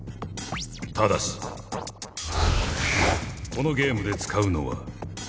ただしこのゲームで使うのは。